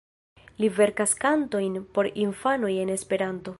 Li verkas kantojn por infanoj en Esperanto.